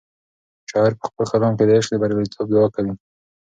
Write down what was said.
شاعر په خپل کلام کې د عشق د بریالیتوب دعا کوي.